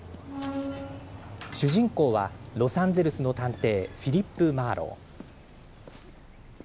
主人公はロサンゼルスの探偵フィリップ・マーロウ。